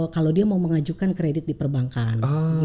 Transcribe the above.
kalau dia mau mengajukan kredit di perbankan